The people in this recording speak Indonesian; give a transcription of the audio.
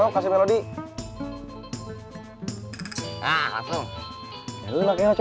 ya kalau saya perhatikan apel sudah mulai ada perubahan ya